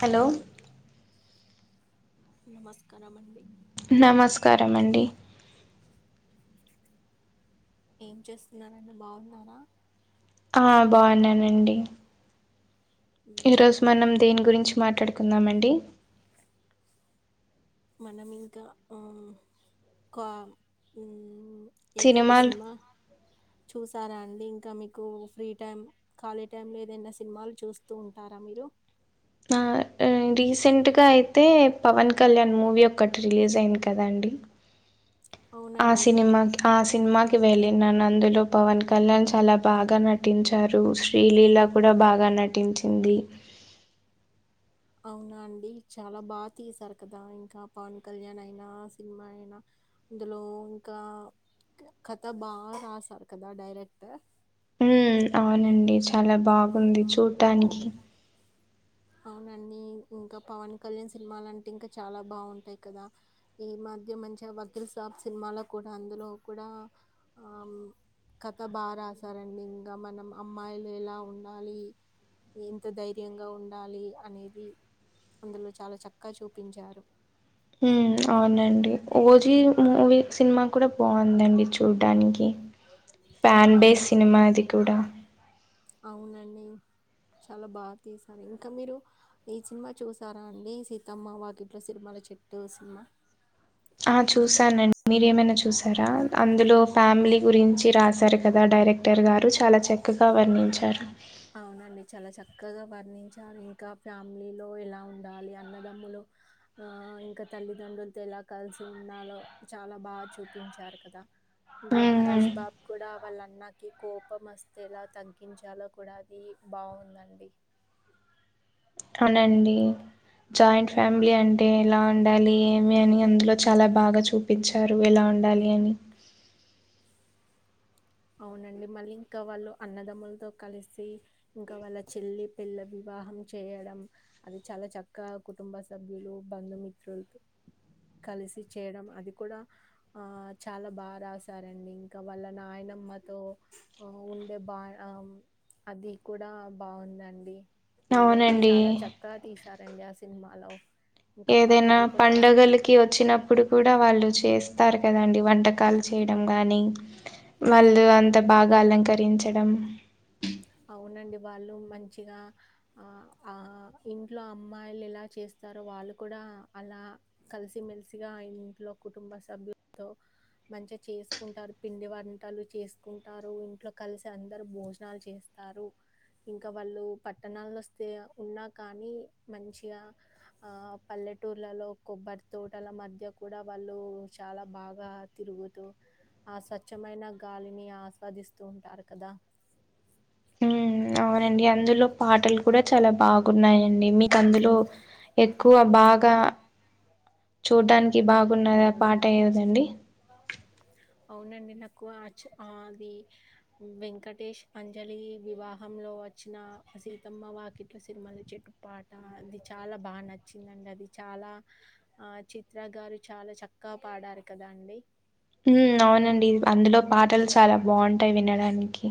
హాల్లో నమస్కారం అంవి నమస్కారం అండి ఏం చేస్తున్నారని బాగున్నారా ఆ బాగున్నానండి ఈ మ్మ్. రోజు మనం దేని గురించి మాట్లాడుకు ందామడి మనం ఇంకా కా ఏదైనా సినిమాలు సినిమా చూసారా అండి ఇంకా మీకు ఫ్రీ టైం ఖాళీ టైమ్ంలో ఏదైనా సినిమాలు చూస్తూ ఉంటారా మీరు రీసెంట్గా అయితే పవన్ కళ్యాణ్ మూవీ ఒకటి రిలీజ్ అయింది కదండి ఆ అవునండి సినిమాక్ ఆ సినిమాకి వెళ్ళిన నందులు లో పవన్ కళ్యాణ్ చాల బాగా నటించారు శ్రీలీల కూడ బాగా నటించింది అవునా అండి చాలా బాగా తీసారు కదా ఇంకా పవన్ కళ్యాణ్ అయినా సినిమా అయినా అందులో ఇంకా కథ బాగా రాశారు కదా డైరెక్టర్ ఉమ్ అవునండి చాలా బాగుంది చూడటానికి అవునండి ఇంకా పవన్ కళ్యాణ్ సినిమాలు అంటే ఇంకా చాలా బాగుంటాయి కదా ఈ మధ్య మంచిగా వక్రీ సాబ్ సినిమాలో కూడా అందులో కూడా కథ బాగా రాశారండి ఇంకా మనం అమ్మాయిలు ఎలా ఉండాలి ఇంత ధైర్యంగా ఉండ ఉాల అనేది అందులో చాలా చక్కగా చూపించారు అవునండి ఓజీ మూవీ సినిమా కూడా బాగుందండి చూడటనికి పన్ బేస్ అవునండి సినిమా ఇదికూడా అవునండి చాలా బాగా తీశారు ఇంకా మీరు ఈ సినిమా చూసారా అండి సీతమ్మ వాకిట్లో సినిమల చెట్టు సినిమా ఆ చూసానన్ మీరు ఏమైనా చూసారా అందులో ఫ్యామిలీ గురించి రాశారు కదా డైరెక్టర్ గారు చాలా చక్కగా వర్ణించారు అవునండి చాలా చక్కగా వర్ణించారు ఇంకా ఫ్యామిలీలో ఎలా ఉండాలి అన్నదమ్ములు ఇంకా తల్లిదండ్రులతో ఎలా కలిసి ఉండాలో చాలా బాగా చూపించారు కదా ఇందులో మహేష్ ఉమ్ బాబు కూడా వాళ్ళన్నకి కోపం వస్తేలా తగ్కిించాలో కూడా అది బావుందండి అవునండి జాయింట్ ఫ్యామిలీ అంటే ఎలా ఉండాలి ఏమి అని అందులో చాలా బాగా చూపించారు ఎలా ఉండాలి అని అవునండి మళ్ళీ ఇంకా వాళ్ళు అన్నదమ్ములతో కలిసి ఇంకా వాళ్ళ చెల్లి పిల్ల వివాహం చేయడం అది చాలా చక్కగా కుటుంబ సభ్యులు బంధుమిత్రులతో కలిసి చేయడం అది కూడా ఆ చాలా బాగా రాసారండి ఇంకా వాళ్ళ నాయన అమ్మతో ఉండే బా అది కూడా బాగుందండి ఏదైనా అవునండి చాలా చక్కా తీసారండి అసలు సిన్మాలో ఏదైనా పడుగలకి వచ్చినప్పుడు కూడా వాళ్ళు చేస్త ఇస్తారు కదండి వంటకాలు చేయడం గానీ వాళ్ళు అంత బాగా అలంకరించడం అవునండి వాళ్ళు మంచిగా ఇంట్లో అమ్మాయిలు ఎలా చేస్తారో వాళ్ళు కూడా అలా కలిసిమెెలిసిగా ఇంట్లో కుటుంబ సభ్యులతో మంచిగా చేసుకుంటారు పిండి వంటలు చేసుకుంటారు ఇంట్లో కలిసి అందరు భోజనాలు చేస్తారు ఇంకా వాళ్ళు పట్టణాల్లో వస్తే ఉన్నా కానీ మంచిగా ఆ పల్లెటూర్లలో కొబ్బరి తోటల మధ్య కూడా వాళ్ళు చాలా బాగా తిరుగుతూ ఆ స్వచ్ఛమైన గాలిని ఆస్వాదిస్తూ ఉంటారు కదా మ్మ్ అవునండి అందులో పాటలు కూడా చాలా బాగున్నాయండి మీకు అందులో ఎక్కువ బాగా చూడ్డానికి బాగున్నది పాట ఏదండి అవునండి నాకు అది వెంకటేష్ అంజలి వివాహంలో వచ్చిన సీతమ్మ వాకిట్ల సినిమల చెట్టు పాట అది చాలా బాగా నచ్చిందండి అది చాలా ఆ చిత్ర గారు చాలా చక్కగా పాడారు కదా అండి అవునండి అందులో పాటలు చాలా బాగుంటాయి వినడానికి